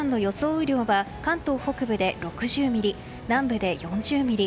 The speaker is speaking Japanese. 雨量は関東北部で６０ミリ南部で４０ミリ。